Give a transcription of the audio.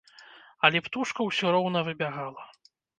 Але птушка ўсё роўна выбягала.